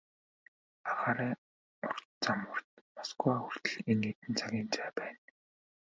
Агаарын зам урт, Москва хүртэл хэдэн цагийн зай байна.